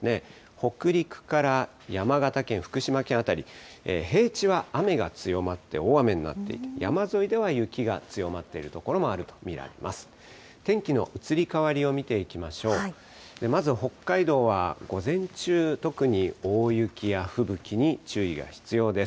北陸から山形県、福島県辺り、平地は雨が強まって大雨になっていて、山沿いでは雪が強まってる所もあると見られます。